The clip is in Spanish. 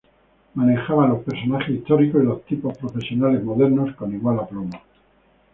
Manejaba los personajes históricos y los tipos profesionales modernos con igual aplomo.